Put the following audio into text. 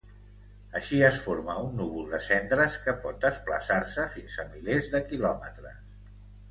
Així es forma un núvol de cendres que pot desplaçar-se fins a milers de quilòmetres.